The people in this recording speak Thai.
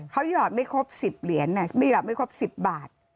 เขาหยอดไม่ครบ๑๐เหรียญไม่หอดไม่ครบ๑๐บาท